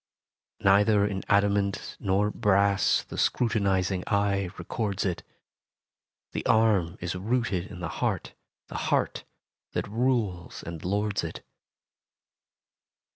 Neither in adamant nor brass The scrutinizing eye records it: The arm is rooted in the heart, The heart that rules and lords it.